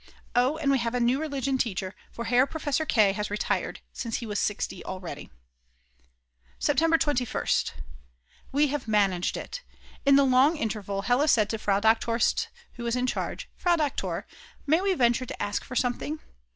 Oh, and we have a new Religion teacher, for Herr Professor K. has retired, since he was 60 already. September 21st. We have managed it. In the long interval, Hella said to Frau Doktor St., who was in charge. "Frau Doktor, may we venture to ask for something?"